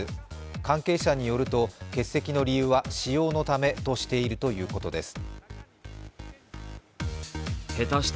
関係者によると欠席の理由は私用のためとしているということです。